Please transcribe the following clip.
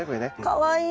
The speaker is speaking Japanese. かわいい。